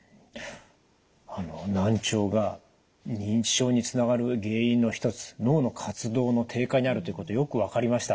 難聴が認知症につながる原因の一つ脳の活動の低下にあるということよく分かりました。